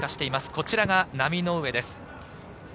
こちらが浪上です。